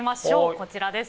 こちらです。